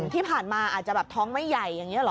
ที่ผ่านมาอาจจะแบบท้องไม่ใหญ่อย่างนี้หรอ